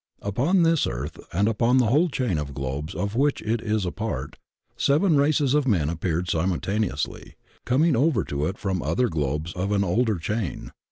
Upon tlus earth and upon the whole chain of globes of which it is a part, seven races of men appeared simultaneously, coming over to it from other globes of an older chain.